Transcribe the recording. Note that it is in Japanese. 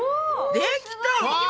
できた！